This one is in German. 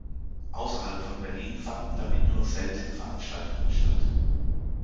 Außerhalb von Berlin fanden damit nur noch selten Veranstaltungen statt.